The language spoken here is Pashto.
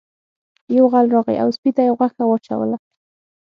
یو غل راغی او سپي ته یې غوښه واچوله.